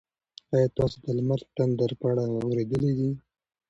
ایا تاسي د لمر د تندر په اړه اورېدلي دي؟